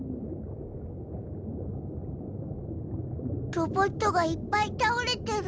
ロボットがいっぱい倒れてる。